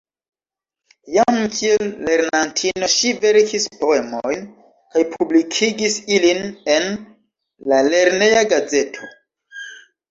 Jam kiel lernantino ŝi verkis poemojn kaj publikigis ilin en la lerneja gazeto.